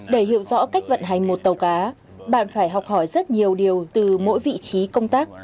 để hiểu rõ cách vận hành một tàu cá bạn phải học hỏi rất nhiều điều từ mỗi vị trí công tác